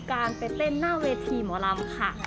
การไปเต้นหน้าเวทีหมอลำค่ะ